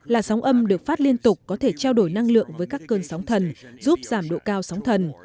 làn sóng âm được phát liên tục có thể trao đổi năng lượng với các cơn sóng thần giúp giảm độ cao sóng thần